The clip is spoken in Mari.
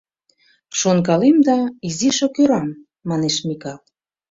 — Шонкалем да... изишак ӧрам, — манеш Микал.